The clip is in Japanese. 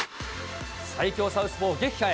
最強サウスポー撃破へ。